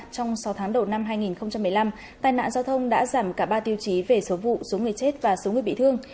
trong sáu tháng đầu năm hai nghìn một mươi năm tai nạn giao thông đã giảm cả ba tiêu chí về số vụ số người chết và số người bị thương